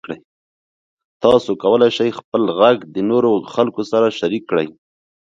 تاسو کولی شئ خپل غږ د نورو خلکو سره شریک کړئ.